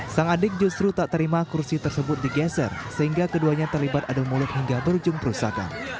sang adik justru tak terima kursi tersebut digeser sehingga keduanya terlibat adu mulut hingga berujung perusakan